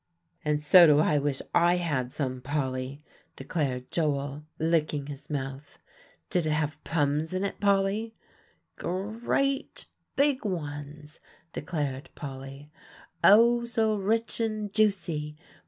"And so do I wish I had some, Polly," declared Joel, licking his mouth. "Did it have plums in, Polly?" "Gre at big ones," declared Polly, "oh, so rich and juicy!